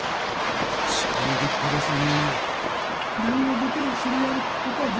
確かに立派ですね。